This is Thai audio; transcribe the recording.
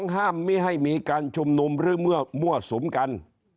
ห้ามไม่ให้มีการชุมนุมหรือมั่วสุมกัน